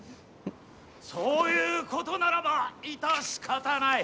そういうことならば致し方ない。